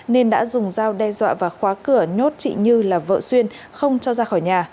nên đã dùng dao đe dọa và khóa cửa nhốt chị như là vợ xuyên không cho ra khỏi nhà